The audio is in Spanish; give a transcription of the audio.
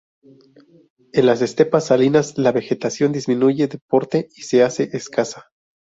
En las estepas salinas la vegetación disminuye de porte y se hace escasa.